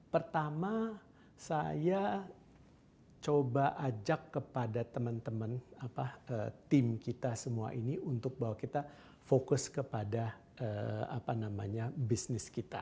pertama saya coba ajak kepada teman teman tim kita semua ini untuk bahwa kita fokus kepada bisnis kita